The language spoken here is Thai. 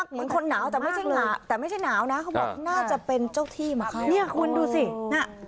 เหมือนคนหนาวแต่ไม่ใช่หนาวนะเขาบอกน่าจะเป็นเจ้าที่มาเข้า